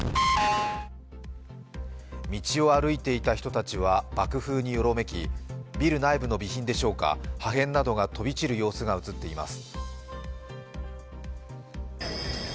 道を歩いていた人たちは爆風によろめき、ビル内部の備品でしょうか、破片などが飛び散る様子が映っています。